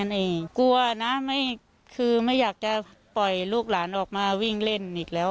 กลัวนะคือไม่อยากจะปล่อยลูกหลานออกมาวิ่งเล่น